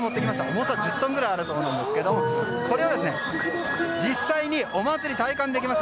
重さ１０トンくらいあるそうなんですけれどもこれは実際にお祭りを体感できます。